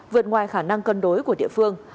vượt ngoài khả năng cân đối của địa phương